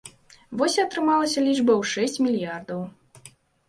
Вось і атрымалася лічба ў шэсць мільярдаў.